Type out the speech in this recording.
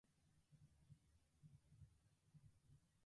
A mishearing of the lyrics inspired the band name of The Lightning Seeds.